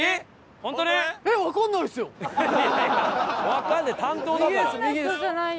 わかんない？